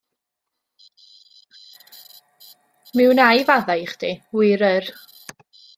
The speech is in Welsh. Mi wna i faddau i chdi, wir yr